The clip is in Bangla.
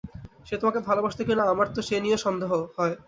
সে তোমাকে ভালোবাসত কিনা, আমার তো সে নিয়েও সন্দেহ হয়।